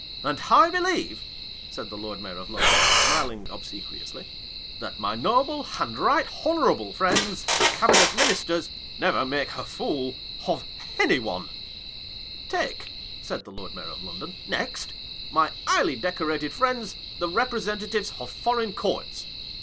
And I believe," said the Lord Mayor of London, smiling obsequiously, "that my noble and right honourable friends the Cabinet Ministers, never make a fool of any one 1 " Take," said the Lord Mayor of London, " next, my highly decorated friends, the Repre sentatives of Foreign Courts.